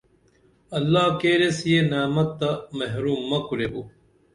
اللہ کیریس یہ نعمت تہ محروم مہ کُریبو